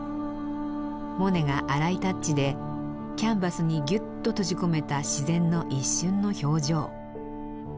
モネが粗いタッチでキャンバスにギュッと閉じ込めた自然の一瞬の表情。